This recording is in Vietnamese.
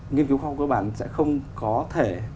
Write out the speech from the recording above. nghiên cứu khoa học cơ bản sẽ không có thể